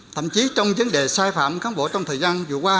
thậm chí trong vấn đề sai phạm cán bộ trong thời gian vừa qua